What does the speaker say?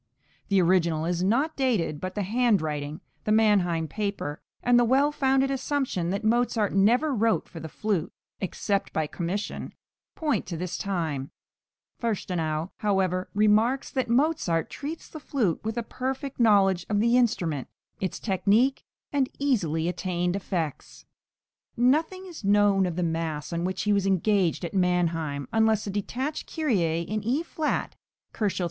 The original is not dated, but the handwriting, the Mannheim paper, and the well founded assumption that Mozart never wrote for the flute, except by commission, point to this time. Fürstenau, however, remarks that Mozart treats the flute {THE FATHER'S DISAPPOINTMENT.} (415) with a perfect knowledge of the instrument, its technique and easily attained effects. Nothing is known of the mass on which he was engaged at Mannheim, unless a detached Kyrie in E flat (322 K.)